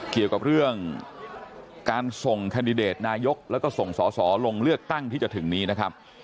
เกี่ยวกับเรื่องการส่งแคนดิเดตนายกแล้วก็ส่งสอสอลงเลือกตั้งที่จะถึงนี้นะครับ